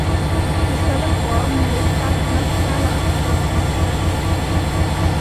We stellen voor om de lidstaten nationale actieprogramma’s te laten opstellen.